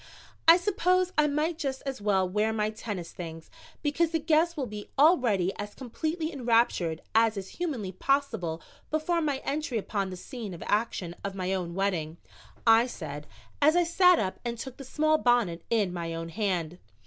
"I suppose I might just as well wear my tennis things, because the guests will be already as completely enraptured as is humanly possible before my entry upon the scene of action of my own wedding," I said, as I sat up and took the small bonnet in my own hand.